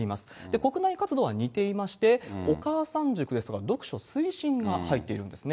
国内活動は似ていまして、お母さん塾ですとか、読書推進が入っているんですね。